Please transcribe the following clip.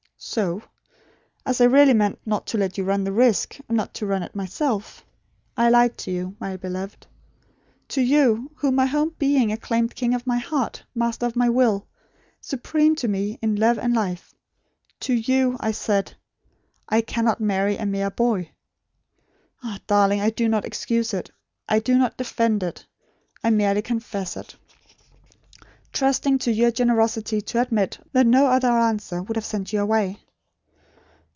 So as I really meant not to let you run the risk, and not to run it myself I lied to you, my beloved. To you, whom my whole being acclaimed King of my heart, Master of my will; supreme to me, in love and life, to YOU I said: 'I cannot marry a mere boy.' Ah, darling! I do not excuse it. I do not defend it. I merely confess it; trusting to your generosity to admit, that no other answer would have sent you away.